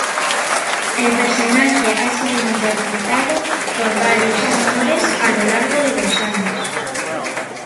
El personaje ha sido interpretado por varios actores a lo largo de los años.